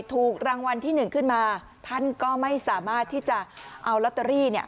ถูกรางวัลที่หนึ่งขึ้นมาท่านก็ไม่สามารถที่จะเอาลอตเตอรี่เนี่ย